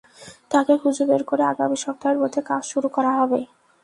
তাকে খুঁজে বের করে আগামী সপ্তাহের মধ্যে কাজ শুরু করা হবে।